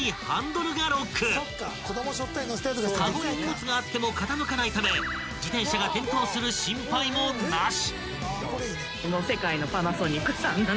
［籠に荷物があっても傾かないため自転車が転倒する心配もなし］